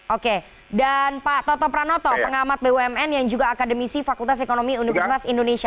oke dan pak toto pranoto pengamat bumn yang juga akademisi fakultas ekonomi universitas indonesia